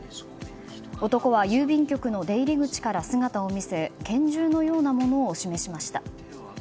男は郵便局の出入り口から姿を見せ拳銃のようなものを示しました。